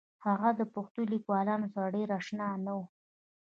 هغه د پښتو لیکوالانو سره ډېر اشنا نه و